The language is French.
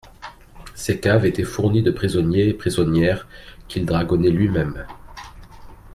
Ses caves étaient fournies de prisonniers et prisonnières qu'il dragonnait lui-même.